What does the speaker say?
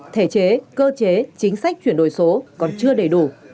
thể chế cơ chế chính sách chuyển đổi số còn chưa đầy đủ